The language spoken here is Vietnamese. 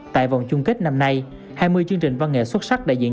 tại vòng chung kết năm nay hai mươi chương trình văn nghệ xuất sắc đại diện